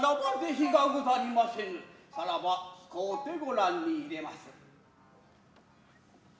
さらば使うてご覧に入れまする。